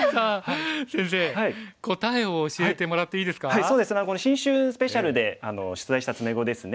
そうですねこれ新春スペシャルで出題した詰碁ですね。